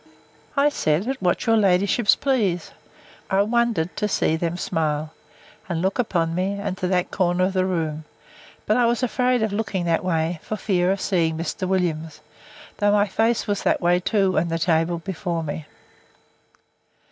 I said, At what your ladyships please. I wondered to see them smile, and look upon me, and to that corner of the room; but I was afraid of looking that way, for fear of seeing Mr. Williams; though my face was that way too, and the table before me.